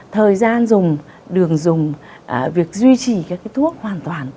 thời gian dùng đường dùng việc duy trì các thuốc hoàn toàn